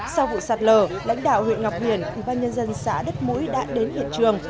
sau vụ sạt lở lãnh đạo huyện ngọc hiển ủy ban nhân dân xã đất mũi đã đến hiện trường